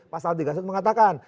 pasal tiga itu mengatakan